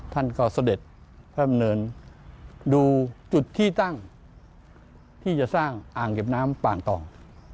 ท่านก็เสด็จพระดำเนินดูจุดที่ตั้งที่จะสร้างอ่างเก็บน้ำป่านตอง